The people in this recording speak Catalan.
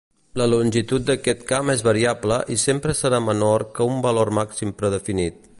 La longitud d'aquest camp és variable i sempre serà menor que un valor màxim predefinit.